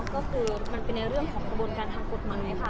ก็คือมันเป็นในเรื่องของกระบวนการทางกฎหมายค่ะ